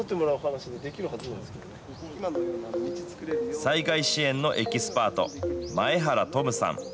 災害支援のエキスパート、前原土武さん。